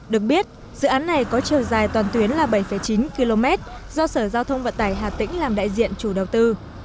được biết dự án này có chiều dài toàn tuyến là bảy chín km do sở giao thông vận tải hà tĩnh làm đại diện chủ đầu tư